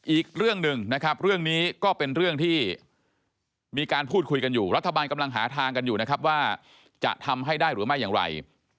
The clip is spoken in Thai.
อีกเรื่องหนึ่งนะครับเรื่องนี้ก็เป็นเรื่องที่มีการพูดคุยกันอยู่รัฐบาลกำลังหาทางกันอยู่นะครับว่าจะทำให้ได้หรือไม่อย่างไร